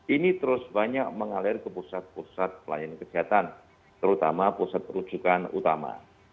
ini terus banyak mengalir ke pusat pusat pelayanan kesehatan terutama pusat perujukan utama